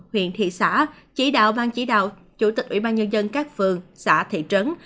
huyện thị xã chỉ đạo ban chỉ đạo chủ tịch ủy ban nhân dân các phường xã thị trấn